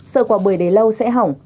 sợ quả bưởi đầy lâu sẽ hỏng